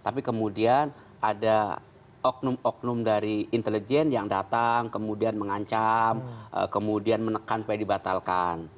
tapi kemudian ada oknum oknum dari intelijen yang datang kemudian mengancam kemudian menekan supaya dibatalkan